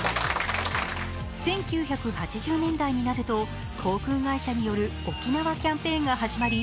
１９８０年代になると航空会社による沖縄キャンペーンが始まり